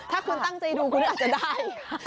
ถ้าคุณตั้งใจดูคุณก็อาจจะได้